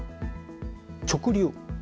直流。